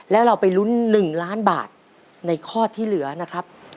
แล้วเราไปลุ้น๑ล้านบาทในข้อที่เหลือนะครับ